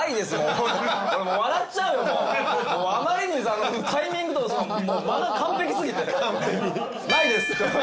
あまりにタイミングとか間が完璧過ぎて。